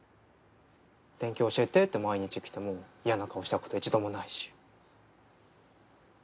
勉強教えてって毎日来ても嫌な顔したこと一度もないし。